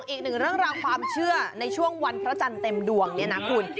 อีกหนึ่งเรื่องราวความเชื่อในช่วงวันพระจันทร์เต็มดวงเนี่ยนะคุณ